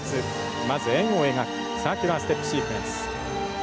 まず円を描くサーキュラーステップシークエンス。